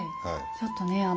ちょっとね